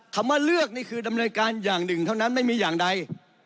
คำว่าเลือกนี่คือดำเนินการอย่างหนึ่งเท่านั้นไม่มีอย่างใด